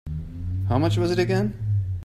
How much was it again?